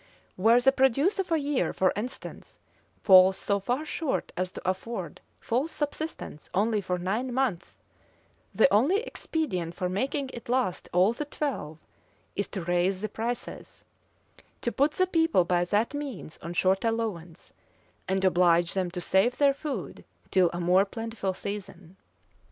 Where the produce of a year, for instance, falls so far short as to afford full subsistence only for nine months, the only expedient for making it last all the twelve, is to raise the prices, to put the people by that means on short allowance, and oblige them to save their food till a more plentiful season.